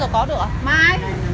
chiều gọi điện mai có